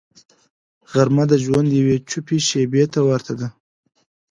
غرمه د ژوند یوې چوپې شیبې ته ورته ده